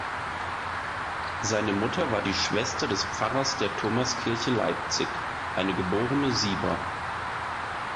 Seine Mutter war die Schwester des Pfarrers der Thomaskirche Leipzig, eine geborene Sieber.